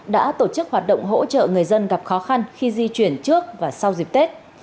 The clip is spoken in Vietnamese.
đã tổ chức hoạt động hỗ trợ người dân gặp khó khăn khi di chuyển trước và sau dịp tết